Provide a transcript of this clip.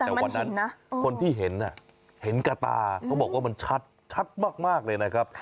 แต่วันนั้นคนที่เห็นเห็นกระตาเขาบอกว่ามันชัดมากเลยนะครับ